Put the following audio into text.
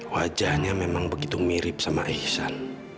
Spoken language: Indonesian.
wajahnya memang begitu mirip sama ihsan